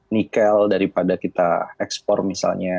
nikel daripada kita ekspor misalnya